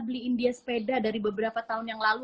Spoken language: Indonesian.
tadinya nabilin dia sepeda dari beberapa tahun yang lalu